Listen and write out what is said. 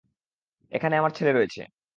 এখানে আমার ছেলে রয়েছে।